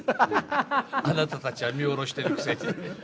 あなたたちは見下ろしてるくせに。